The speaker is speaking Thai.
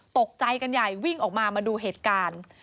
ตกใจกันใหญ่วิ่งออกมามาดูเหตุการณ์